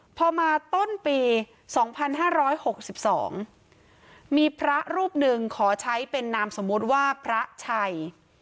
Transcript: พอมาต้นปีสองพันห้าร้อยหกสิบสองมีพระรูปหนึ่งขอใช้เป็นนามสมมุติว่าพระชัย